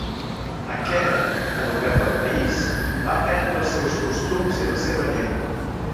Aquest, educat al país, va aprendre els seus costums i la seva llengua.